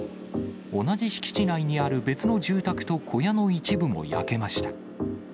同じ敷地内にある別の住宅と小屋の一部も焼けました。